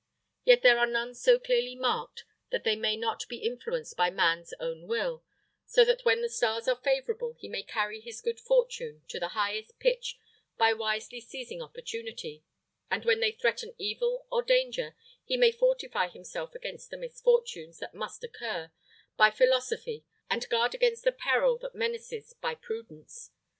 Yet there are none so clearly marked that they may not be influenced by man's own will, so that when the stars are favourable he may carry his good fortune to the highest pitch by wisely seizing opportunity; and when they threaten evil or danger, he may fortify himself against the misfortunes that must occur, by philosophy; and guard against the peril that menaces, by prudence.